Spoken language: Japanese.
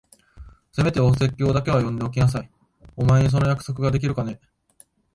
せめてお説教だけは読んでおきなさい。お前にその約束ができるかね？